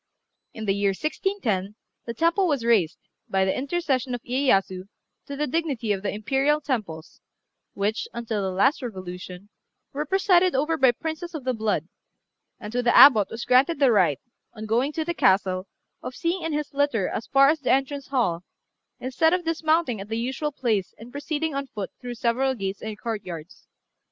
In the year 1610 the temple was raised, by the intercession of Iyéyasu, to the dignity of the Imperial Temples, which, until the last revolution, were presided over by princes of the blood; and to the Abbot was granted the right, on going to the castle, of sitting in his litter as far as the entrance hall, instead of dismounting at the usual place and proceeding on foot through several gates and courtyards.